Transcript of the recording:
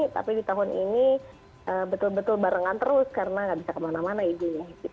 tapi di tahun ini betul betul barengan terus karena nggak bisa kemana mana ibunya